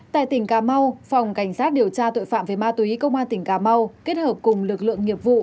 tại tỉnh cà mau phòng cảnh sát điều tra tội phạm về ma túy công an tỉnh cà mau kết hợp cùng lực lượng nghiệp vụ